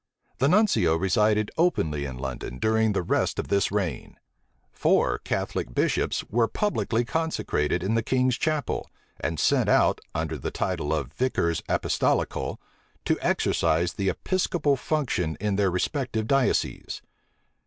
The nuncio resided openly in London during the rest of this reign. Four Catholic bishops were publicly consecrated in the king's chapel, and sent out, under the title of vicars apostolical, to exercise the episcopal function in their respective dioceses.